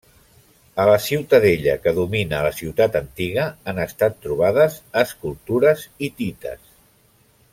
A la ciutadella, que domina la ciutat antiga, han estat trobades escultures hitites.